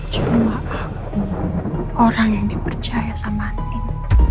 cuma aku orang yang dipercaya sama tim